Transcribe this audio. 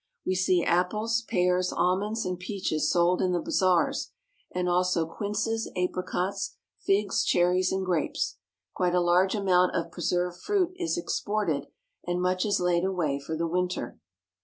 We see apples, pears, almonds, and peaches sold in the bazaars, and also quinces, apricots, figs, cherries, and grapes. Quite a large amount of pre served fruit is exported, and much is laid away for the winter.